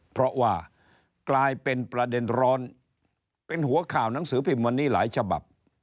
เพราะว่ากลายเป็นประเด็นร้อนเป็นหัวข่าวหนังสือพิมพ์วันนี้หลายฉบับ